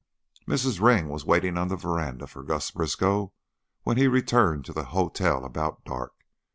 Mrs. Ring was waiting on the veranda for Gus Briskow when he returned to the hotel about dark.